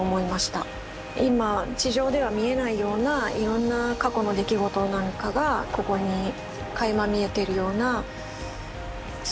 今地上では見えないようないろんな過去の出来事なんかがここにかいま見えてるようなそんな空間を作りたいなと思いました。